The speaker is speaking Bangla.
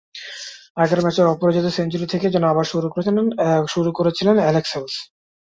আগের ম্যাচের অপরাজিত সেঞ্চুরি থেকেই যেন আবার শুরু করেছিলেন অ্যালেক্স হেলস।